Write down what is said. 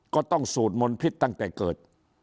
ก็ต้องสูดมนต์พิษตั้งแต่เกิด